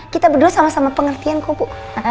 kita berdua sama sama pengertian kok bu